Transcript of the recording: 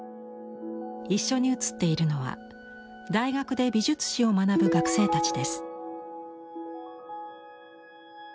一緒に写っているのは大学で美術史を学ぶ学生たちです。